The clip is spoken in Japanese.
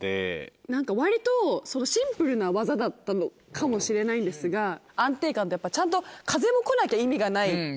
何か割とシンプルな技だったのかもしれないんですが安定感やっぱちゃんと風も来なきゃ意味がない。